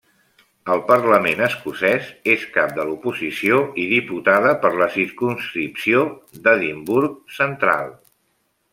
Al Parlament Escocès, és cap de l'oposició i diputada per la circumscripció d'Edimburg Central.